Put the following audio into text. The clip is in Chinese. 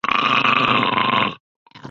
据传始建于孙吴黄武年间。